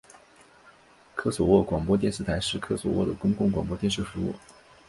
科索沃广播电视台是科索沃的公共广播电视服务。